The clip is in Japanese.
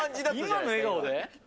今の笑顔で？